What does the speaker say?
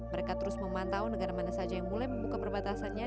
mereka terus memantau negara mana saja yang mulai membuka perbatasannya